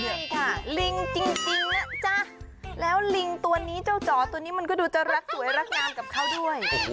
ใช่ค่ะลิงจริงนะจ๊ะแล้วลิงตัวนี้เจ้าจ๋อตัวนี้มันก็ดูจะรักสวยรักงามกับเขาด้วย